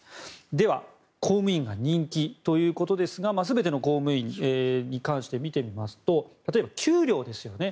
では公務員が人気ということですが全ての公務員に関して見てみますと例えば給料ですよね。